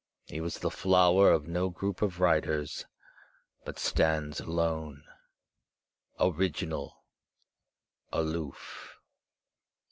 He was the flower of no group of writers, but stands alone, original, aloof.